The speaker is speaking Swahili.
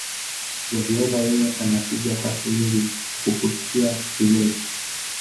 Guardiola yeye anapiga pasi nyingi kukutia kiwewe